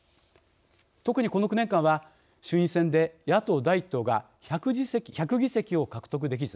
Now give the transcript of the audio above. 特にこの９年間は衆院選で野党第１党が１００議席を獲得できず低迷が続きました。